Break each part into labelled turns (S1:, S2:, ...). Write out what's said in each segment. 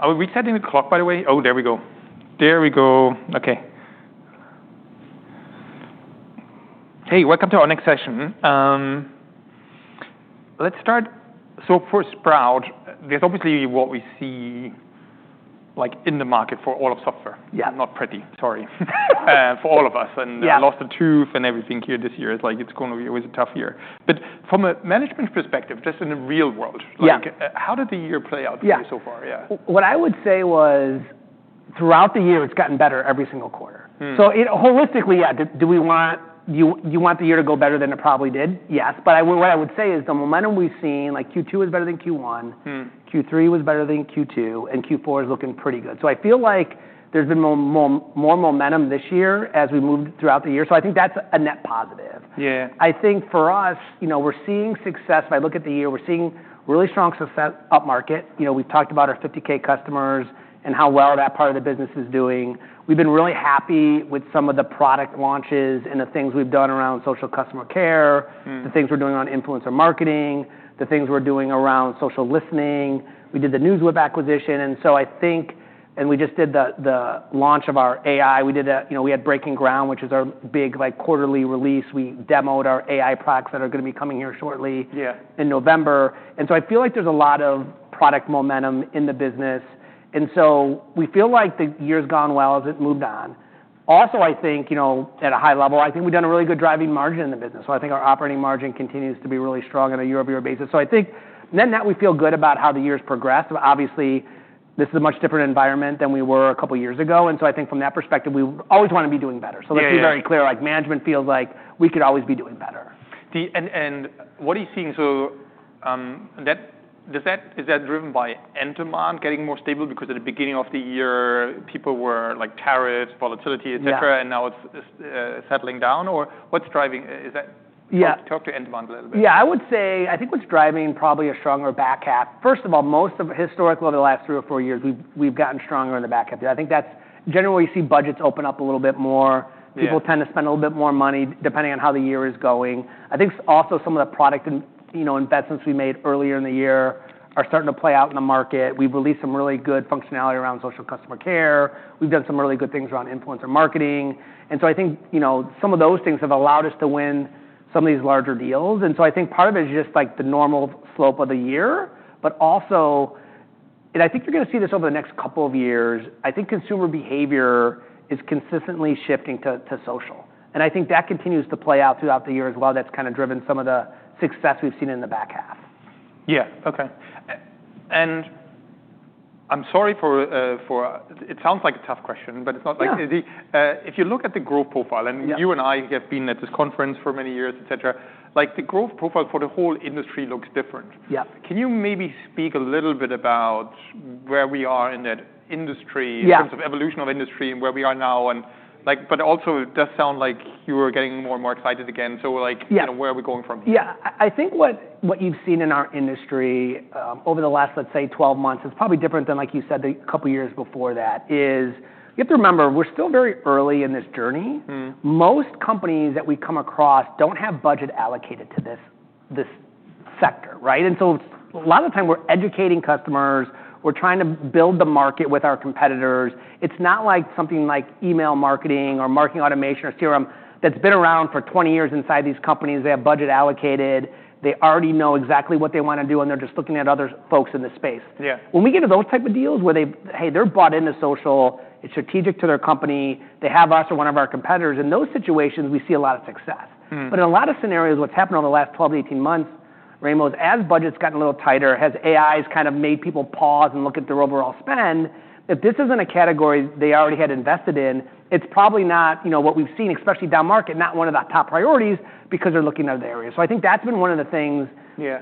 S1: Are we resetting the clock, by the way? Oh, there we go. Okay. Hey, welcome to our next session. Let's start. So for Sprout, there's obviously what we see, like, in the market for all of software.
S2: Yeah.
S1: Not pretty, sorry. For all of us.
S2: Yeah.
S1: And lost a tooth and everything here this year. It's like, it's gonna be always a tough year. But from a management perspective, just in the real world.
S2: Yeah.
S1: Like, how did the year play out for you so far?
S2: Yeah. What I would say was, throughout the year, it's gotten better every single quarter.
S1: Mm-hmm.
S2: So it holistically, yeah, do we want you? You want the year to go better than it probably did? Yes. But what I would say is the momentum we've seen, like, Q2 was better than Q1.
S1: Mm-hmm.
S2: Q3 was better than Q2, and Q4 is looking pretty good. So I feel like there's been more momentum this year as we moved throughout the year. So I think that's a net positive.
S1: Yeah.
S2: I think for us, you know, we're seeing success. If I look at the year, we're seeing really strong success up market. You know, we've talked about our 50K customers and how well that part of the business is doing. We've been really happy with some of the product launches and the things we've done around social customer care.
S1: Mm-hmm.
S2: The things we're doing on influencer marketing, the things we're doing around social listening. We did the NewsWhip acquisition, and so I think, we just did the launch of our AI. We did, you know, we had Breaking Ground, which is our big, like, quarterly release. We demoed our AI products that are gonna be coming here shortly.
S1: Yeah.
S2: In November. And so I feel like there's a lot of product momentum in the business. And so we feel like the year's gone well as it moved on. Also, I think, you know, at a high level, I think we've done a really good driving margin in the business. So I think our operating margin continues to be really strong on a year-over-year basis. So I think, and then that we feel good about how the year's progressed. But obviously, this is a much different environment than we were a couple years ago. And so I think from that perspective, we always wanna be doing better.
S1: Yeah.
S2: So let's be very clear. Like, management feels like we could always be doing better.
S1: What are you seeing? Is that driven by end demand getting more stable? Because at the beginning of the year, people were, like, tariffs, volatility, etc.
S2: Yeah.
S1: And now it's settling down? Or what's driving? Is that.
S2: Yeah.
S1: Talk to end demand a little bit.
S2: Yeah. I would say I think what's driving probably a stronger back half. First of all, most of historically over the last three or four years, we've gotten stronger in the back half. I think that's generally we see budgets open up a little bit more.
S1: Yeah.
S2: People tend to spend a little bit more money depending on how the year is going. I think also some of the product investments we made earlier in the year are starting to play out in the market. We've released some really good functionality around social customer care. We've done some really good things around influencer marketing. And so I think, you know, some of those things have allowed us to win some of these larger deals. And so I think part of it is just, like, the normal slope of the year. But also, and I think you're gonna see this over the next couple of years. I think consumer behavior is consistently shifting to social. And I think that continues to play out throughout the year as well. That's kinda driven some of the success we've seen in the back half.
S1: Yeah. Okay. And I'm sorry for it sounds like a tough question, but it's not.
S2: Yeah.
S1: Like, if you look at the growth profile, and you and I have been at this conference for many years, etc., like, the growth profile for the whole industry looks different.
S2: Yeah.
S1: Can you maybe speak a little bit about where we are in that industry?
S2: Yeah.
S1: In terms of evolution of industry and where we are now? And, like, but also it does sound like you're getting more and more excited again. So, like.
S2: Yeah.
S1: You know, where are we going from here?
S2: Yeah. I think what you've seen in our industry over the last, let's say, 12 months. It's probably different than, like you said, the couple years before that is you have to remember we're still very early in this journey.
S1: Mm-hmm.
S2: Most companies that we come across don't have budget allocated to this, this sector, right? And so it's a lot of the time we're educating customers. We're trying to build the market with our competitors. It's not like something like email marketing or marketing automation or CRM that's been around for 20 years inside these companies. They have budget allocated. They already know exactly what they wanna do, and they're just looking at other folks in the space.
S1: Yeah.
S2: When we get to those type of deals where they, hey, they're bought into social. It's strategic to their company. They have us or one of our competitors. In those situations, we see a lot of success.
S1: Mm-hmm.
S2: But in a lot of scenarios, what's happened over the last 12 to 18 months, Raimo, as budgets gotten a little tighter, has AIs kind of made people pause and look at their overall spend, if this isn't a category they already had invested in. It's probably not, you know, what we've seen, especially down market, not one of the top priorities because they're looking at other areas, so I think that's been one of the things.
S1: Yeah.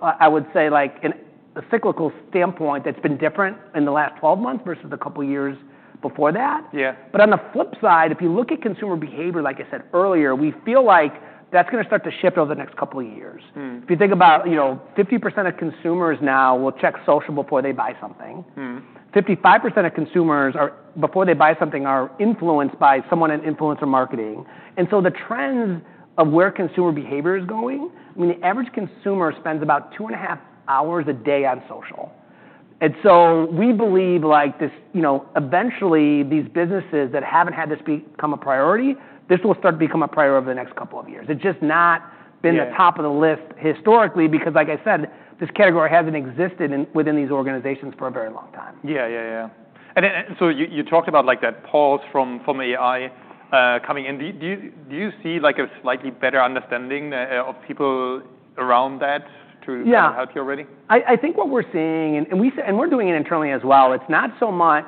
S2: I would say, like, in a cyclical standpoint that's been different in the last 12 months versus the couple years before that.
S1: Yeah.
S2: But on the flip side, if you look at consumer behavior, like I said earlier, we feel like that's gonna start to shift over the next couple of years.
S1: Mm-hmm.
S2: If you think about, you know, 50% of consumers now will check social before they buy something.
S1: Mm-hmm.
S2: 55% of consumers, before they buy something, are influenced by someone in influencer marketing, and so the trends of where consumer behavior is going. I mean, the average consumer spends about two and a half hours a day on social, and so we believe, like, this, you know, eventually these businesses that haven't had this become a priority. This will start to become a priority over the next couple of years. It's just not been the top of the list historically because, like I said, this category hasn't existed within these organizations for a very long time.
S1: Yeah. And so you talked about, like, that pause from AI coming in. Do you see, like, a slightly better understanding of people around that too?
S2: Yeah.
S1: Help you already?
S2: I think what we're seeing, and we're doing it internally as well. It's not so much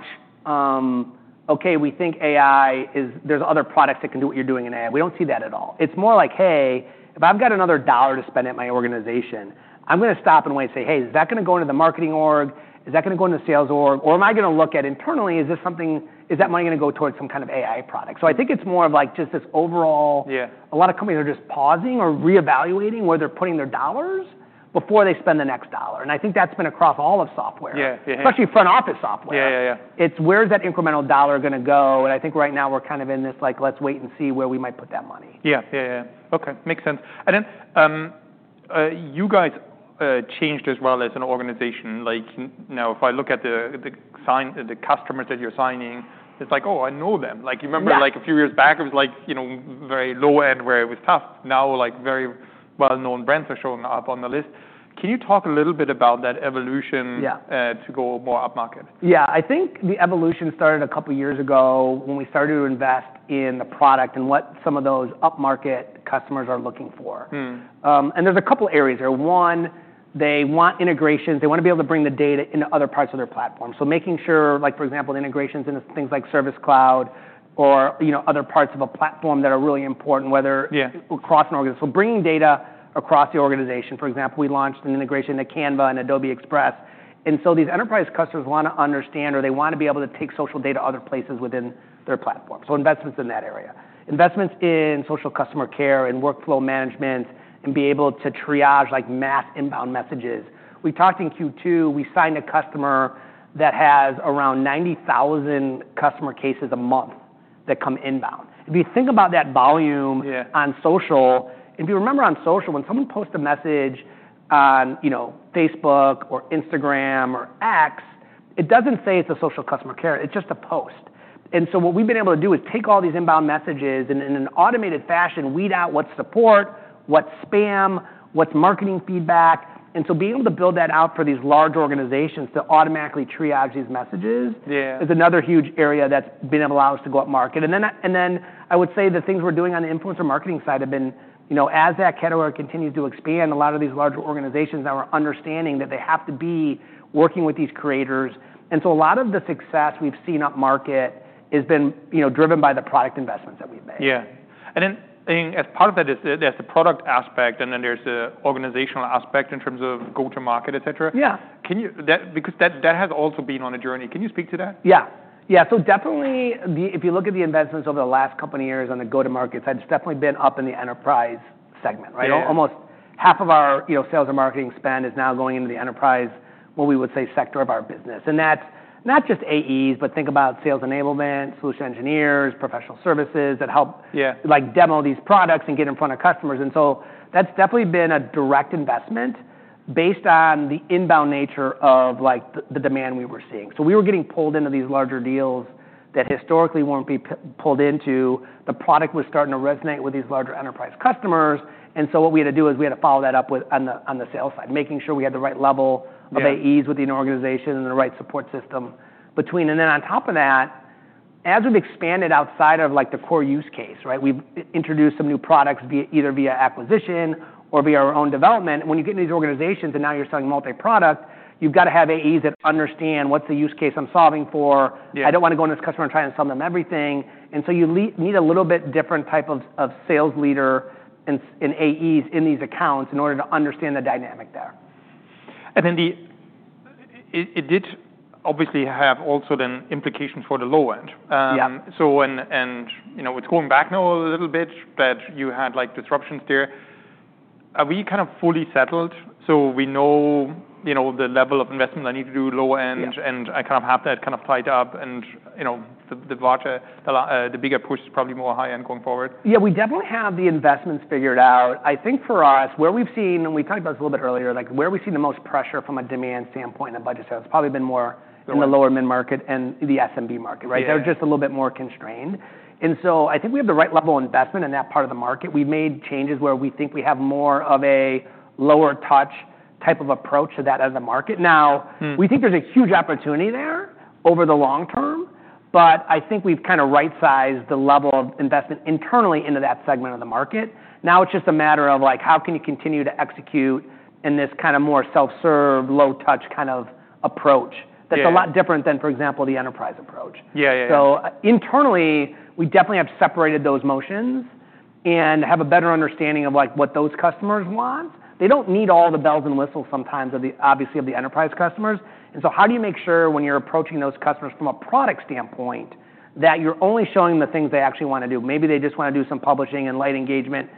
S2: okay, we think AI is. There's other products that can do what you're doing in AI. We don't see that at all. It's more like, hey, if I've got another dollar to spend at my organization, I'm gonna stop and wait and say, hey, is that gonna go into the marketing org? Is that gonna go into the sales org? Or am I gonna look internally, is this something that money gonna go towards some kind of AI product? So I think it's more of, like, just this overall.
S1: Yeah.
S2: A lot of companies are just pausing or reevaluating where they're putting their dollars before they spend the next dollar, and I think that's been across all of software.
S1: Yeah. Yeah. Yeah.
S2: Especially front office software.
S1: Yeah. Yeah. Yeah.
S2: It's, where's that incremental dollar gonna go? And I think right now we're kind of in this, like, let's wait and see where we might put that money.
S1: Yeah. Yeah. Yeah. Okay. Makes sense. And then, you guys changed as well as an organization. Like, now if I look at the signings, the customers that you're signing, it's like, oh, I know them. Like, you remember, like, a few years back it was like, you know, very low end where it was tough. Now, like, very well-known brands are showing up on the list. Can you talk a little bit about that evolution?
S2: Yeah.
S1: to go more up market?
S2: Yeah. I think the evolution started a couple years ago when we started to invest in the product and what some of those up market customers are looking for.
S1: Mm-hmm.
S2: And there's a couple areas here. One, they want integrations. They wanna be able to bring the data into other parts of their platform. So making sure, like, for example, the integrations into things like Service Cloud or, you know, other parts of a platform that are really important, whether.
S1: Yeah.
S2: Across an organization. So bringing data across the organization. For example, we launched an integration to Canva and Adobe Express. And so these enterprise customers wanna understand or they wanna be able to take social data other places within their platform. So investments in that area. Investments in social customer care and workflow management and be able to triage, like, mass inbound messages. We talked in Q2. We signed a customer that has around 90,000 customer cases a month that come inbound. If you think about that volume.
S1: Yeah.
S2: On social, if you remember on social, when someone posts a message on, you know, Facebook or Instagram or X, it doesn't say it's a social customer care. It's just a post. And so what we've been able to do is take all these inbound messages and in an automated fashion weed out what's support, what's spam, what's marketing feedback. And so being able to build that out for these large organizations to automatically triage these messages.
S1: Yeah.
S2: Is another huge area that's been able to allow us to go up market. And then I would say the things we're doing on the influencer marketing side have been, you know, as that category continues to expand, a lot of these larger organizations now are understanding that they have to be working with these creators. And so a lot of the success we've seen up market has been, you know, driven by the product investments that we've made.
S1: Yeah. And then, I mean, as part of that is, there's the product aspect, and then there's the organizational aspect in terms of go-to-market, etc.
S2: Yeah.
S1: Can you speak to that because that has also been on a journey. Can you speak to that?
S2: Yeah. So definitely, if you look at the investments over the last couple of years on the go-to-market side, it's definitely been up in the enterprise segment, right?
S1: Yeah.
S2: Almost half of our, you know, sales and marketing spend is now going into the enterprise, what we would say, sector of our business, and that's not just AEs, but think about sales enablement, solution engineers, professional services that help.
S1: Yeah.
S2: Like, demo these products and get in front of customers. And so that's definitely been a direct investment based on the inbound nature of, like, the demand we were seeing. So we were getting pulled into these larger deals that historically weren't being pulled into. The product was starting to resonate with these larger enterprise customers. And so what we had to do is we had to follow that up with, on the sales side, making sure we had the right level.
S1: Yeah.
S2: Of AEs within the organization and the right support system between, and then on top of that, as we've expanded outside of, like, the core use case, right, we've introduced some new products via either acquisition or via our own development, and when you get into these organizations and now you're selling multi-product, you've gotta have AEs that understand what's the use case I'm solving for.
S1: Yeah.
S2: I don't wanna go into this customer and try and sell them everything, and so you'll need a little bit different type of sales leader and AEs in these accounts in order to understand the dynamic there.
S1: And then it did obviously have also then implications for the low end.
S2: Yeah.
S1: You know, it's going back now a little bit that you had, like, disruptions there. Are we kind of fully settled, so we know, you know, the level of investment I need to do low end.
S2: Yeah.
S1: I kind of have that kind of tied up. You know, the larger the bigger push is probably more high end going forward?
S2: Yeah. We definitely have the investments figured out. I think for us, where we've seen, and we talked about this a little bit earlier, like, where we see the most pressure from a demand standpoint and a budget sales has probably been more.
S1: Yeah.
S2: In the lower mid-market and the SMB market, right?
S1: Yeah.
S2: They're just a little bit more constrained. And so I think we have the right level of investment in that part of the market. We've made changes where we think we have more of a lower touch type of approach to that as a market. Now.
S1: Mm-hmm.
S2: We think there's a huge opportunity there over the long term, but I think we've kinda right-sized the level of investment internally into that segment of the market. Now it's just a matter of, like, how can you continue to execute in this kinda more self-serve, low touch kind of approach.
S1: Yeah.
S2: That's a lot different than, for example, the enterprise approach.
S1: Yeah. Yeah. Yeah.
S2: So internally, we definitely have separated those motions and have a better understanding of, like, what those customers want. They don't need all the bells and whistles sometimes of the, obviously, of the enterprise customers. And so how do you make sure when you're approaching those customers from a product standpoint that you're only showing the things they actually wanna do? Maybe they just wanna do some publishing and light engagement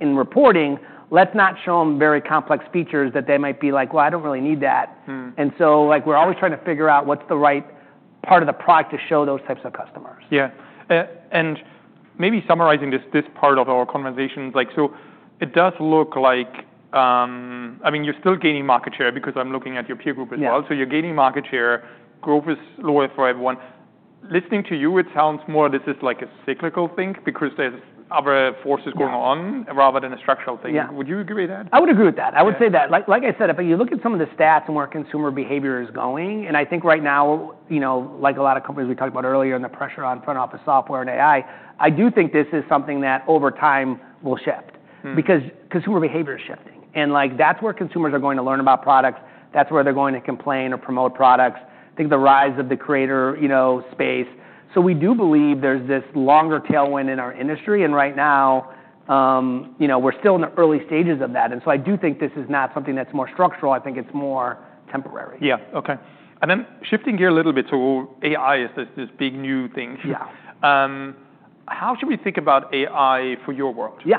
S2: and reporting. Let's not show them very complex features that they might be like, "Well, I don't really need that.
S1: Mm-hmm.
S2: And so, like, we're always trying to figure out what's the right part of the product to show those types of customers.
S1: Yeah, and maybe summarizing this part of our conversation, like, so it does look like, I mean, you're still gaining market share because I'm looking at your peer group as well.
S2: Yeah.
S1: So you're gaining market share. Growth is lower for everyone. Listening to you, it sounds more this is like a cyclical thing because there's other forces going on rather than a structural thing.
S2: Yeah.
S1: Would you agree with that?
S2: I would agree with that. I would say that. Like, like I said, if you look at some of the stats and where consumer behavior is going, and I think right now, you know, like a lot of companies we talked about earlier and the pressure on front office software and AI, I do think this is something that over time will shift.
S1: Mm-hmm.
S2: Because consumer behavior is shifting. And, like, that's where consumers are going to learn about products. That's where they're going to complain or promote products. I think the rise of the creator, you know, space. So we do believe there's this longer tailwind in our industry. And right now, you know, we're still in the early stages of that. And so I do think this is not something that's more structural. I think it's more temporary.
S1: Yeah. Okay. And then shifting gear a little bit to AI as this, this big new thing.
S2: Yeah.
S1: How should we think about AI for your world?
S2: Yeah.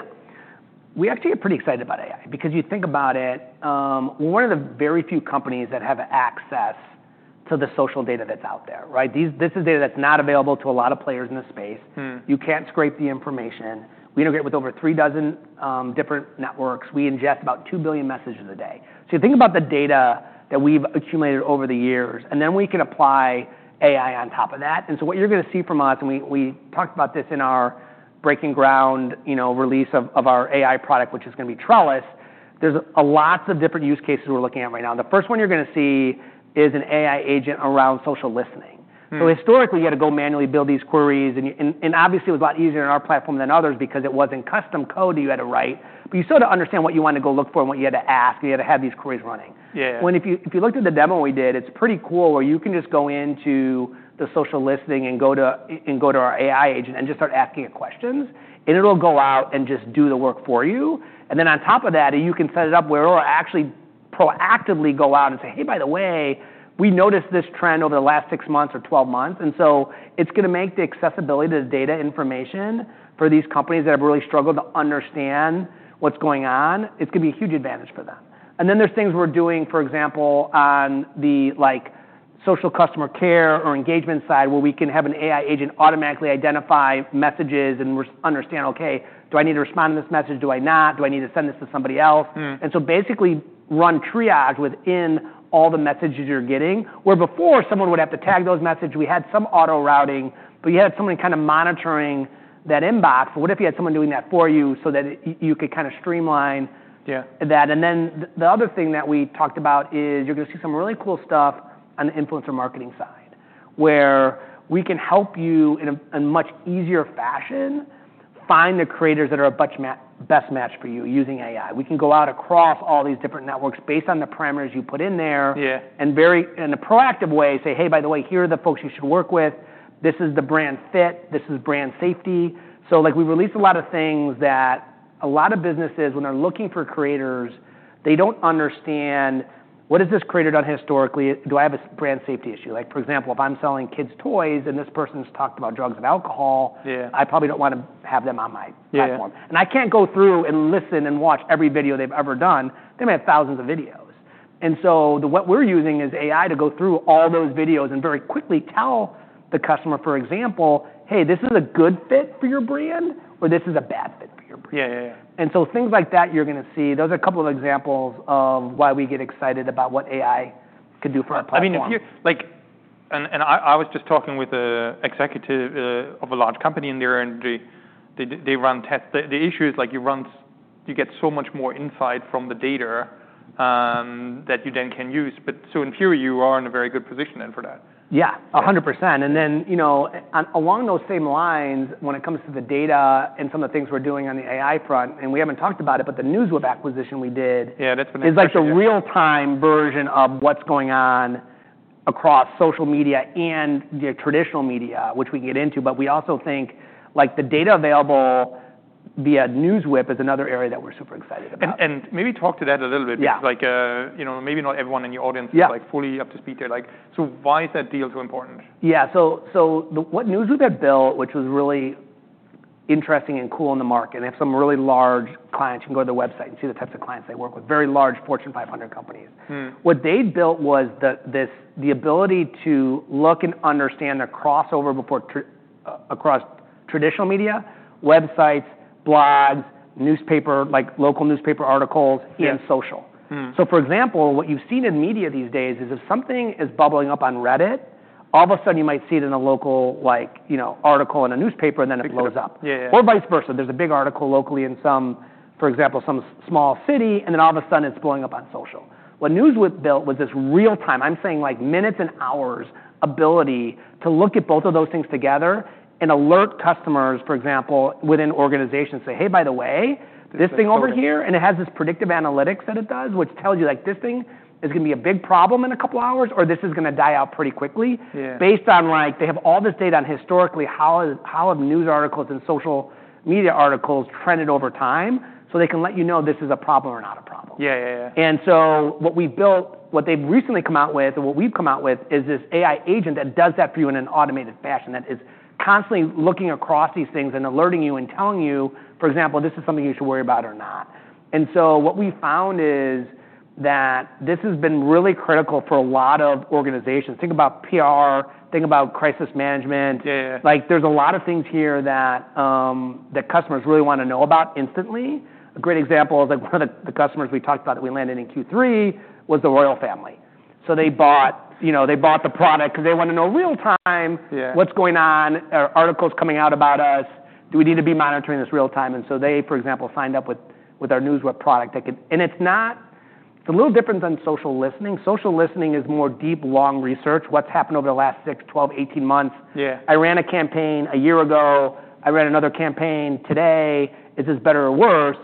S2: We actually are pretty excited about AI because you think about it, we're one of the very few companies that have access to the social data that's out there, right? This is data that's not available to a lot of players in the space.
S1: Mm-hmm.
S2: You can't scrape the information. We integrate with over three dozen different networks. We ingest about two billion messages a day. So you think about the data that we've accumulated over the years, and then we can apply AI on top of that. And so what you're gonna see from us, and we, we talked about this in our Breaking Ground, you know, release of, of our AI product, which is gonna be Trellis. There's a lot of different use cases we're looking at right now. The first one you're gonna see is an AI agent around social listening.
S1: Mm-hmm.
S2: So historically, you had to go manually build these queries. And obviously, it was a lot easier on our platform than others because it wasn't custom code that you had to write. But you still had to understand what you wanted to go look for and what you had to ask. And you had to have these queries running.
S1: Yeah.
S2: If you looked at the demo we did, it's pretty cool where you can just go into the social listening and go to our AI agent and just start asking it questions, and it'll go out and just do the work for you. And then on top of that, you can set it up where it'll actually proactively go out and say, "Hey, by the way, we noticed this trend over the last six months or 12 months." And so it's gonna make the accessibility to the data information for these companies that have really struggled to understand what's going on, it's gonna be a huge advantage for them. And then there's things we're doing, for example, on the, like, social customer care or engagement side where we can have an AI agent automatically identify messages and understand, "Okay, do I need to respond to this message? Do I not? Do I need to send this to somebody else?
S1: Mm-hmm.
S2: And so basically run triage within all the messages you're getting. Where before, someone would have to tag those messages. We had some auto-routing, but you had someone kind of monitoring that inbox. What if you had someone doing that for you so that you could kinda streamline.
S1: Yeah.
S2: That. And then the other thing that we talked about is you're gonna see some really cool stuff on the influencer marketing side where we can help you in a much easier fashion find the creators that are a bunch more best match for you using AI. We can go out across all these different networks based on the parameters you put in there.
S1: Yeah.
S2: Intervene in a proactive way, say, "Hey, by the way, here are the folks you should work with. This is the brand fit. This is brand safety," so, like, we released a lot of things that a lot of businesses, when they're looking for creators, they don't understand, "What has this creator done historically? Do I have a brand safety issue?" Like, for example, if I'm selling kids' toys and this person's talked about drugs and alcohol.
S1: Yeah.
S2: I probably don't wanna have them on my platform.
S1: Yeah.
S2: And I can't go through and listen and watch every video they've ever done. They may have thousands of videos. And so what we're using is AI to go through all those videos and very quickly tell the customer, for example, "Hey, this is a good fit for your brand or this is a bad fit for your brand.
S1: Yeah. Yeah. Yeah.
S2: And so things like that you're gonna see. Those are a couple of examples of why we get excited about what AI could do for our platform.
S1: I mean, if you like, and I was just talking with an executive of a large company in there and they run tests. The issue is, like, you run, you get so much more insight from the data, that you then can use. But so in theory, you are in a very good position then for that.
S2: Yeah. 100%. And then, you know, along those same lines, when it comes to the data and some of the things we're doing on the AI front, and we haven't talked about it, but the NewsWhip acquisition we did.
S1: Yeah. That's been interesting.
S2: It's like the real-time version of what's going on across social media and the traditional media, which we can get into. But we also think, like, the data available via NewsWhip is another area that we're super excited about.
S1: Maybe talk to that a little bit.
S2: Yeah.
S1: Because, like, you know, maybe not everyone in your audience is.
S2: Yeah.
S1: Like, fully up to speed there. Like, so why is that deal so important?
S2: Yeah. So what NewsWhip had built, which was really interesting and cool in the market, and they have some really large clients. You can go to the website and see the types of clients they work with, very large Fortune 500 companies.
S1: Mm-hmm.
S2: What they built was this: the ability to look and understand the crossover across traditional media, websites, blogs, newspaper, like local newspaper articles.
S1: Yeah.
S2: And social.
S1: Mm-hmm.
S2: So, for example, what you've seen in media these days is if something is bubbling up on Reddit, all of a sudden you might see it in a local, like, you know, article in a newspaper and then it blows up.
S1: Yeah. Yeah.
S2: Or vice versa. There's a big article locally in some, for example, some small city, and then all of a sudden it's blowing up on social. What NewsWhip built was this real-time, I'm saying, like, minutes and hours ability to look at both of those things together and alert customers, for example, within organizations, say, "Hey, by the way, this thing over here," and it has this predictive analytics that it does, which tells you, like, "This thing is gonna be a big problem in a couple hours or this is gonna die out pretty quickly.
S1: Yeah.
S2: Based on, like, they have all this data on historically how news articles and social media articles have trended over time so they can let you know this is a problem or not a problem.
S1: Yeah. Yeah. Yeah.
S2: And so what we built, what they've recently come out with, and what we've come out with is this AI agent that does that for you in an automated fashion that is constantly looking across these things and alerting you and telling you, for example, "This is something you should worry about or not." And so what we found is that this has been really critical for a lot of organizations. Think about PR, think about crisis management.
S1: Yeah.
S2: Like, there's a lot of things here that customers really wanna know about instantly. A great example is, like, one of the customers we talked about that we landed in Q3 was the Royal Family. So they bought, you know, they bought the product 'cause they wanna know real-time.
S1: Yeah.
S2: What's going on? Articles coming out about us. Do we need to be monitoring this real-time, and so they, for example, signed up with our NewsWhip product that could, and it's not. It's a little different than social listening. Social listening is more deep, long research, what's happened over the last six, 12, 18 months.
S1: Yeah.
S2: I ran a campaign a year ago. I ran another campaign today. Is this better or worse?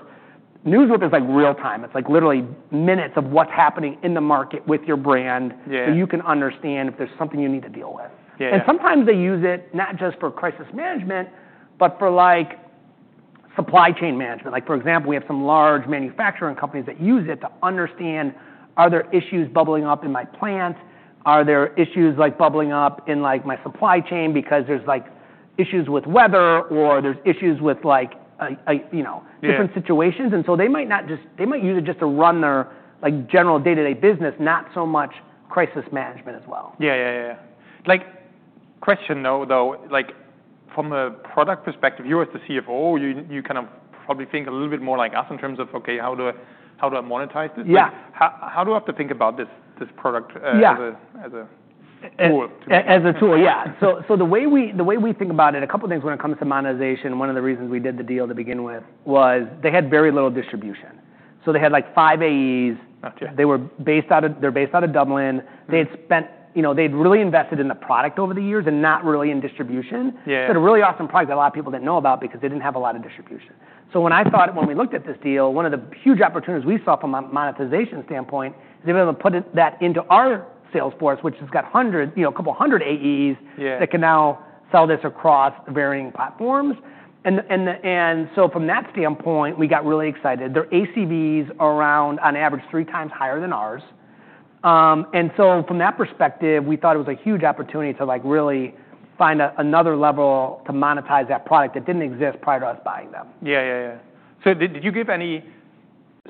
S2: NewsWhip is like real-time. It's like literally minutes of what's happening in the market with your brand.
S1: Yeah.
S2: So you can understand if there's something you need to deal with.
S1: Yeah.
S2: Sometimes they use it not just for crisis management, but for, like, supply chain management. Like, for example, we have some large manufacturing companies that use it to understand, "Are there issues bubbling up in my plant? Are there issues, like, bubbling up in, like, my supply chain because there's, like, issues with weather or there's issues with, like, you know.
S1: Yeah.
S2: Different situations? And so they might not just, they might use it just to run their, like, general day-to-day business, not so much crisis management as well.
S1: Yeah. Like, question though, like, from a product perspective, you as the CFO, you kind of probably think a little bit more like us in terms of, "Okay, how do I, how do I monetize this?
S2: Yeah.
S1: How do I have to think about this product as a tool?
S2: And as a tool, yeah. So the way we think about it, a couple of things when it comes to monetization, one of the reasons we did the deal to begin with was they had very little distribution. So they had like five AEs.
S1: Gotcha.
S2: They're based out of Dublin. You know, they'd really invested in the product over the years and not really in distribution.
S1: Yeah.
S2: So it's a really awesome product that a lot of people didn't know about because they didn't have a lot of distribution. So when I thought, when we looked at this deal, one of the huge opportunities we saw from a monetization standpoint is they were able to put that into our Salesforce, which has got hundreds, you know, a couple hundred AEs.
S1: Yeah.
S2: That can now sell this across varying platforms. And so from that standpoint, we got really excited. Their ACVs are around, on average, three times higher than ours. And so from that perspective, we thought it was a huge opportunity to, like, really find another level to monetize that product that didn't exist prior to us buying them.
S1: Yeah. So, did you give any?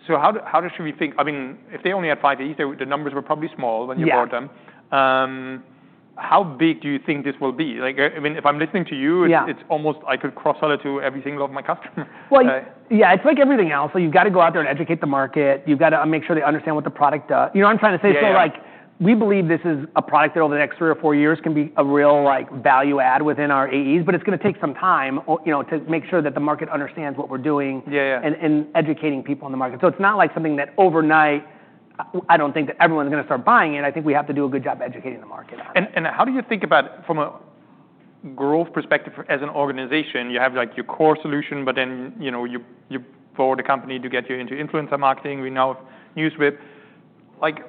S1: So, how should we think? I mean, if they only had five AEs, the numbers were probably small when you bought them.
S2: Yeah.
S1: How big do you think this will be? Like, I mean, if I'm listening to you.
S2: Yeah.
S1: It's almost I could cross-sell it to every single of my customers.
S2: Well, yeah, it's like everything else. So you've gotta go out there and educate the market. You've gotta make sure they understand what the product does. You know what I'm trying to say?
S1: Yeah.
S2: So, like, we believe this is a product that over the next three or four years can be a real, like, value add within our AEs, but it's gonna take some time, you know, to make sure that the market understands what we're doing.
S1: Yeah. Yeah.
S2: Educating people in the market. So it's not like something that overnight, I don't think that everyone's gonna start buying it. I think we have to do a good job educating the market on it.
S1: How do you think about it from a growth perspective as an organization? You have like your core solution, but then, you know, you bought a company to get you into influencer marketing. We now have NewsWhip. Like,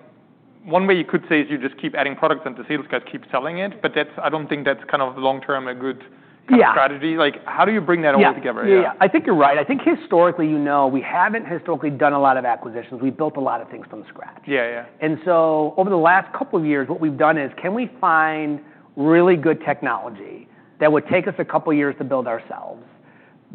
S1: one way you could say is you just keep adding products and the sales guys keep selling it, but that's. I don't think that's kind of long-term a good strategy.
S2: Yeah.
S1: Like, how do you bring that all together?
S2: Yeah. Yeah. I think you're right. I think historically, you know, we haven't historically done a lot of acquisitions. We built a lot of things from scratch.
S1: Yeah. Yeah.
S2: And so over the last couple of years, what we've done is, can we find really good technology that would take us a couple of years to build ourselves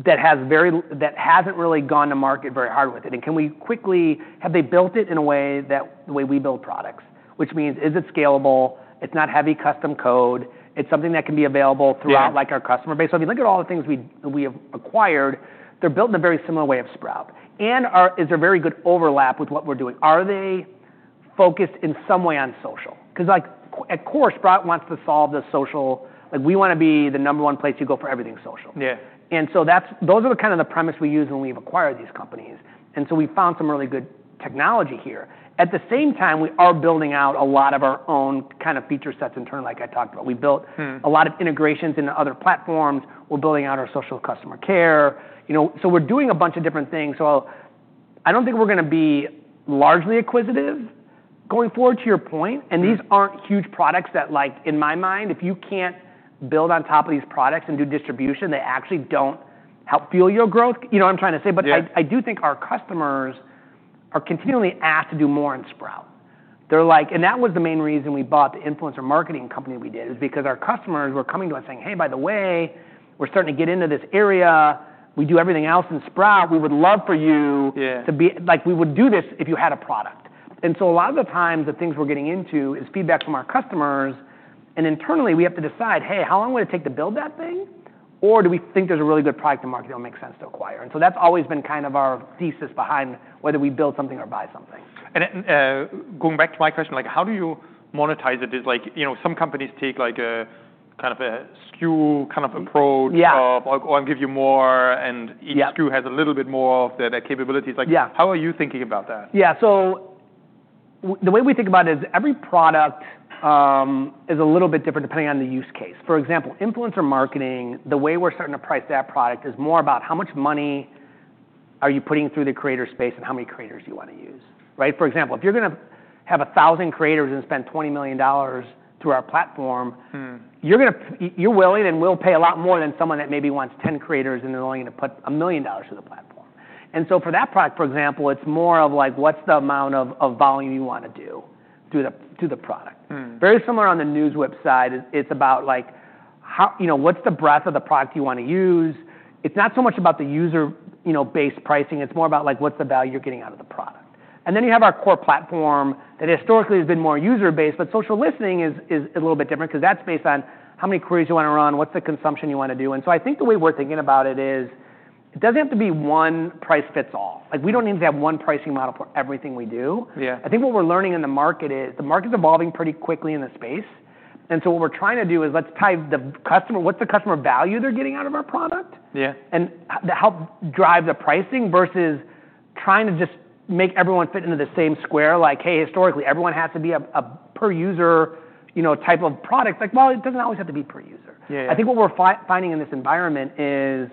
S2: that hasn't really gone to market very hard with it? And can we quickly, have they built it in a way that the way we build products, which means, is it scalable? It's not heavy custom code.It's something that can be available throughout, like, our customer base. So if you look at all the things we have acquired, they're built in a very similar way of Sprout. And is there very good overlap with what we're doing? Are they focused in some way on social? 'Cause, like, at core, Sprout wants to solve the social, like, we wanna be the number one place you go for everything social.
S1: Yeah.
S2: And so those are the kind of premise we use when we've acquired these companies. And so we found some really good technology here. At the same time, we are building out a lot of our own kind of feature sets internally, like I talked about. We built.
S1: Mm-hmm.
S2: A lot of integrations into other platforms. We're building out our social customer care. You know, so we're doing a bunch of different things. So I don't think we're gonna be largely acquisitive going forward, to your point. And these aren't huge products that, like, in my mind, if you can't build on top of these products and do distribution, they actually don't help fuel your growth. You know what I'm trying to say?
S1: Yeah.
S2: But I do think our customers are continually asked to do more in Sprout. They're like, and that was the main reason we bought the influencer marketing company we did is because our customers were coming to us saying, "Hey, by the way, we're starting to get into this area. We do everything else in Sprout. We would love for you.
S1: Yeah.
S2: To be, like, we would do this if you had a product." And so a lot of the times, the things we're getting into is feedback from our customers. And internally, we have to decide, "Hey, how long would it take to build that thing? Or do we think there's a really good product in the market that'll make sense to acquire?" And so that's always been kind of our thesis behind whether we build something or buy something.
S1: Going back to my question, like, how do you monetize it? It's like, you know, some companies take like a kind of a SKU kind of approach.
S2: Yeah.
S1: Of, "I'll give you more," and each.
S2: Yeah.
S1: SKU has a little bit more of the capabilities. Like.
S2: Yeah.
S1: How are you thinking about that?
S2: Yeah, so the way we think about it is every product is a little bit different depending on the use case. For example, influencer marketing, the way we're starting to price that product is more about how much money are you putting through the creator space and how many creators you wanna use, right? For example, if you're gonna have 1,000 creators and spend $20 million through our platform.
S1: Mm-hmm.
S2: You're gonna pay. You're willing and will pay a lot more than someone that maybe wants 10 creators and they're willing to put $1 million to the platform, and so for that product, for example, it's more of like, what's the amount of volume you wanna do through the product?
S1: Mm-hmm.
S2: Very similar on the NewsWhip side. It's about, like, how, you know, what's the breadth of the product you wanna use? It's not so much about the user, you know, based pricing. It's more about, like, what's the value you're getting out of the product. And then you have our core platform that historically has been more user-based, but social listening is a little bit different 'cause that's based on how many queries you wanna run, what's the consumption you wanna do. And so I think the way we're thinking about it is it doesn't have to be one price fits all. Like, we don't need to have one pricing model for everything we do.
S1: Yeah.
S2: I think what we're learning in the market is the market's evolving pretty quickly in the space, and so what we're trying to do is let's tie the customer, what's the customer value they're getting out of our product?
S1: Yeah.
S2: How to help drive the pricing versus trying to just make everyone fit into the same square, like, "Hey, historically, everyone has to be a per user, you know, type of product." Like, well, it doesn't always have to be per user.
S1: Yeah.
S2: I think what we're finding in this environment is,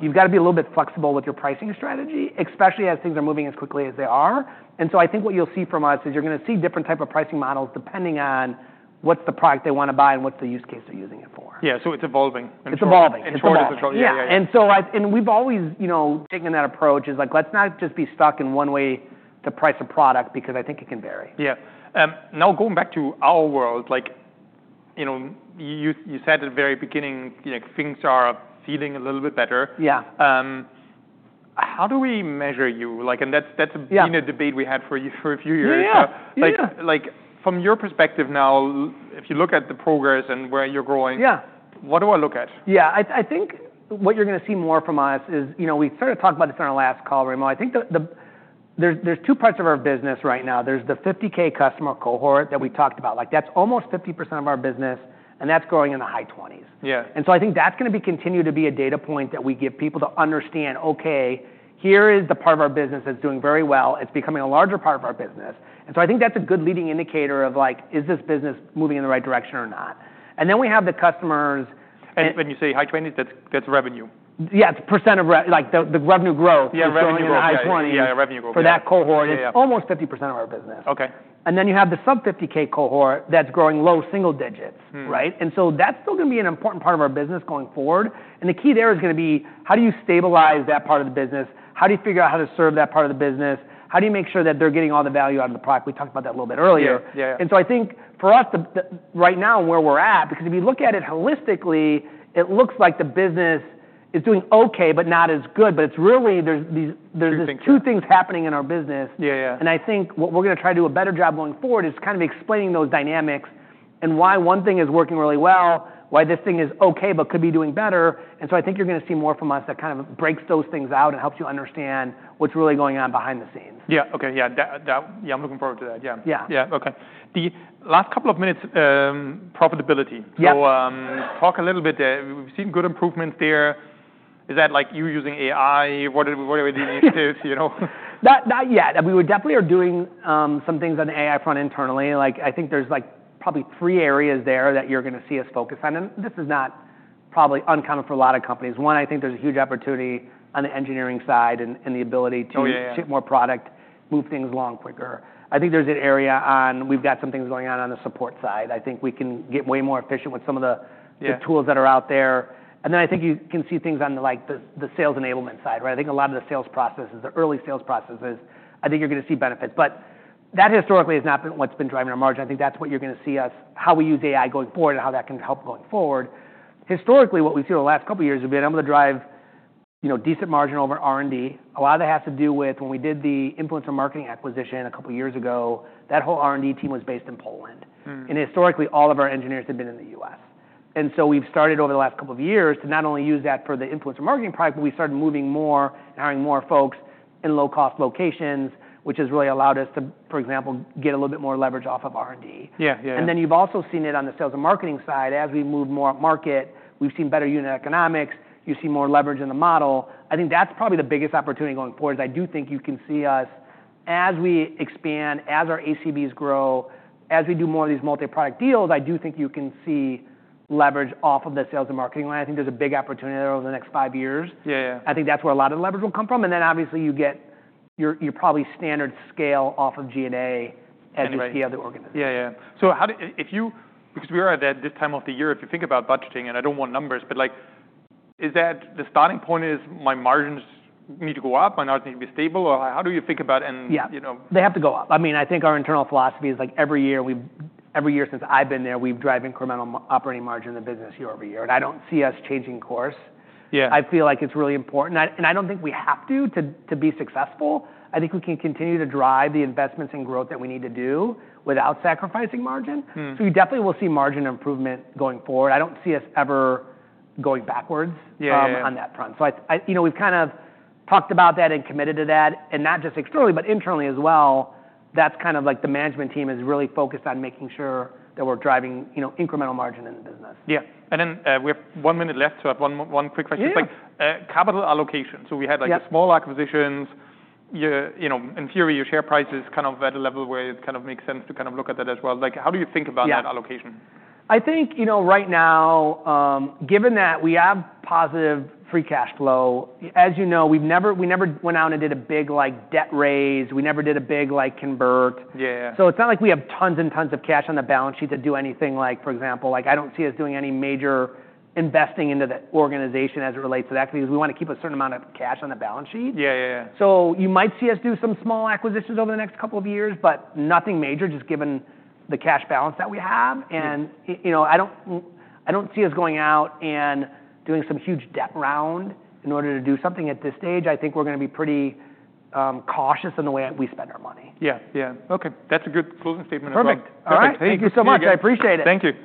S2: you've gotta be a little bit flexible with your pricing strategy, especially as things are moving as quickly as they are, and so I think what you'll see from us is you're gonna see different types of pricing models depending on what's the product they wanna buy and what's the use case they're using it for.
S1: Yeah. So it's evolving.
S2: It's evolving.
S1: It's.
S2: Control is control.
S1: Yeah. Yeah.
S2: Yeah, and so we've always, you know, taken that approach is like, let's not just be stuck in one way to price a product because I think it can vary.
S1: Yeah. Now going back to our world, like, you know, you said at the very beginning, like, things are feeling a little bit better.
S2: Yeah.
S1: How do we measure you? Like, and that's been.
S2: Yeah.
S1: A debate we had for you for a few years.
S2: Yeah.
S1: So, like, from your perspective now, if you look at the progress and where you're going.
S2: Yeah.
S1: What do I look at?
S2: Yeah. I think what you're gonna see more from us is, you know, we started talking about this on our last call, Raimo. I think there's two parts of our business right now. There's the 50K customer cohort that we talked about. Like, that's almost 50% of our business, and that's growing in the high 20s.
S1: Yeah.
S2: And so I think that's gonna continue to be a data point that we give people to understand, "Okay, here is the part of our business that's doing very well. It's becoming a larger part of our business." And so I think that's a good leading indicator of, like, is this business moving in the right direction or not? And then we have the customers.
S1: And when you say high 20s, that's, that's revenue?
S2: Yeah. It's % of, like, the revenue growth.
S1: Yeah. Revenue growth.
S2: In the high 20s.
S1: Yeah. Revenue growth.
S2: For that cohort.
S1: Yeah.
S2: It's almost 50% of our business.
S1: Okay.
S2: And then you have the sub-50K cohort that's growing low single digits, right? And so that's still gonna be an important part of our business going forward. And the key there is gonna be, how do you stabilize that part of the business? How do you figure out how to serve that part of the business? How do you make sure that they're getting all the value out of the product? We talked about that a little bit earlier.
S1: Yeah. Yeah.
S2: And so I think for us, the right now where we're at, because if you look at it holistically, it looks like the business is doing okay, but not as good. But it's really, there's There's two things happening in our business.
S1: Yeah. Yeah.
S2: And I think what we're gonna try to do a better job going forward is kind of explaining those dynamics and why one thing is working really well, why this thing is okay, but could be doing better. And so I think you're gonna see more from us that kind of breaks those things out and helps you understand what's really going on behind the scenes.
S1: Yeah. Okay. Yeah. That, yeah, I'm looking forward to that. Yeah.
S2: Yeah.
S1: Yeah. Okay. The last couple of minutes, profitability.
S2: Yeah.
S1: Talk a little bit there. We've seen good improvements there. Is that like you using AI? What are the initiatives, you know?
S2: Yeah. We definitely are doing some things on the AI front internally. Like, I think there's like probably three areas there that you're gonna see us focus on, and this is not probably uncommon for a lot of companies. One, I think there's a huge opportunity on the engineering side and the ability to.
S1: Oh, yeah.
S2: Ship more product, move things along quicker. I think there's an area. We've got some things going on the support side. I think we can get way more efficient with some of the.
S1: Yeah.
S2: The tools that are out there, and then I think you can see things on the, like, sales enablement side, right? I think a lot of the sales processes, the early sales processes, I think you're gonna see benefits, but that historically has not been what's been driving our margin. I think that's what you're gonna see us, how we use AI going forward and how that can help going forward. Historically, what we've seen over the last couple of years has been able to drive, you know, decent margin over R&D. A lot of that has to do with when we did the influencer marketing acquisition a couple of years ago, that whole R&D team was based in Poland.
S1: Mm-hmm.
S2: And historically, all of our engineers had been in the U.S. And so we've started over the last couple of years to not only use that for the influencer marketing product, but we started moving more and hiring more folks in low-cost locations, which has really allowed us to, for example, get a little bit more leverage off of R&D.
S1: Yeah. Yeah.
S2: And then you've also seen it on the sales and marketing side. As we move upmarket, we've seen better unit economics. You see more leverage in the model. I think that's probably the biggest opportunity going forward is I do think you can see us as we expand, as our ACVs grow, as we do more of these multi-product deals, I do think you can see leverage off of the sales and marketing line. I think there's a big opportunity there over the next five years.
S1: Yeah. Yeah.
S2: I think that's where a lot of the leverage will come from. And then obviously you get your probably standard scale off of G&A.
S1: Right.
S2: As you see other organizations.
S1: Yeah. Yeah. So, because we are at that this time of the year, if you think about budgeting, and I don't want numbers, but like, is that the starting point is my margins need to go up, my margins need to be stable, or how do you think about and, you know?
S2: Yeah. They have to go up. I mean, I think our internal philosophy is like every year we, every year since I've been there, we've driven incremental operating margin in the business year over year. And I don't see us changing course.
S1: Yeah.
S2: I feel like it's really important. I don't think we have to be successful. I think we can continue to drive the investments and growth that we need to do without sacrificing margin.
S1: Mm-hmm.
S2: We definitely will see margin improvement going forward. I don't see us ever going backwards.
S1: Yeah.
S2: On that front. So I, you know, we've kind of talked about that and committed to that. And not just externally, but internally as well, that's kind of like the management team is really focused on making sure that we're driving, you know, incremental margin in the business.
S1: Yeah. And then, we have one minute left, so I have one quick question.
S2: Yeah.
S1: It's like, capital allocation. So we had like.
S2: Yeah.
S1: The small acquisitions. You know, in theory, your share price is kind of at a level where it kind of makes sense to kind of look at that as well. Like, how do you think about that allocation?
S2: Yeah. I think, you know, right now, given that we have positive free cash flow, as you know, we've never went out and did a big, like, debt raise. We never did a big, like, convert.
S1: Yeah. Yeah.
S2: So it's not like we have tons and tons of cash on the balance sheet to do anything like, for example, like, I don't see us doing any major investing into the organization as it relates to that because we wanna keep a certain amount of cash on the balance sheet.
S1: Yeah. Yeah. Yeah.
S2: So you might see us do some small acquisitions over the next couple of years, but nothing major, just given the cash balance that we have.
S1: Yeah.
S2: You know, I don't see us going out and doing some huge debt round in order to do something at this stage. I think we're gonna be pretty cautious in the way that we spend our money.
S1: Yeah. Yeah. Okay. That's a good closing statement as well.
S2: Perfect.
S1: Perfect.
S2: Okay. Thank you so much. I appreciate it.
S1: Thank you.